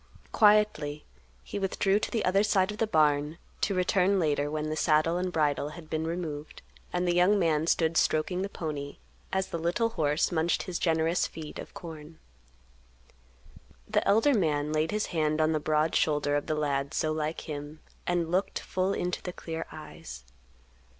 Quietly he withdrew to the other side of the barn, to return later when the saddle and bridle had been removed, and the young man stood stroking the pony, as the little horse munched his generous feed of corn. The elder man laid his hand on the broad shoulder of the lad so like him, and looked full into the clear eyes.